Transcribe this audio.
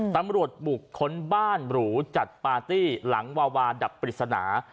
ตำรวจบุกค้นบ้านหรูจัดปาร์ตี้หลังวาวาดับปริศนา